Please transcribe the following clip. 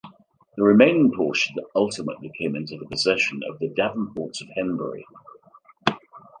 The remaining portion ultimately came into the possession of the Davenports of Henbury.